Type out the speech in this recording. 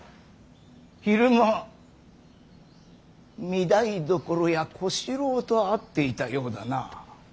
昼間御台所や小四郎と会っていたようだな。